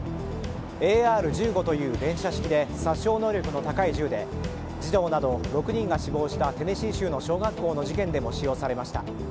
ＡＲ１５という連射式で殺傷能力の高い銃で児童など６人が死亡したテネシー州の小学校の事件でも使用されました。